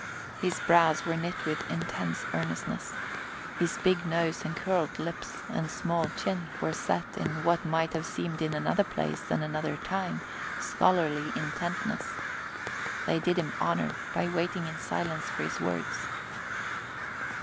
His brows were knit with intense earnestness. His big nose and curled lips and small chin were set in what might have seemed in another place and another time scholarly intentness. They did him honour by waiting in silence for his words.